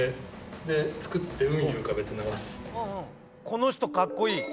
この人かっこいい！